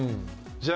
じゃあ。